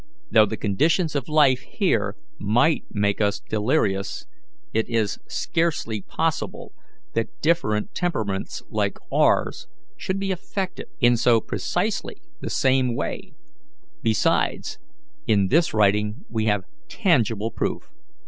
Though the conditions of life here might make us delirious, it is scarcely possible that different temperaments like ours should be affected in so precisely the same way; besides, in this writing we have tangible proof."